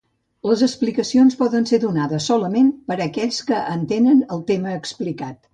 Les explicacions poden ser donades solament per aquells que entenen el tema explicat.